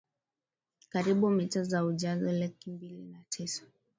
karibu mita za ujazo laki mbili na tisa